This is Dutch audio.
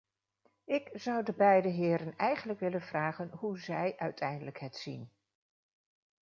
Ik zou de beide heren eigenlijk willen vragen hoe zij uiteindelijk het zien.